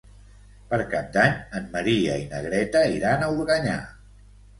Per Cap d'Any en Maria i na Greta iran a Organyà.